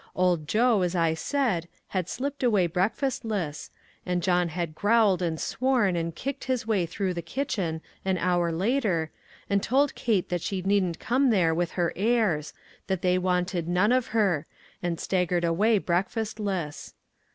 Old Joe, as I said, had slipped away breakfastless, and John had growled, and sworn, and kicked his .way through the kitchen, an hour later, and told Kate that she needn't come there with her airs — that they wanted none of her — and staggered away breakfastless.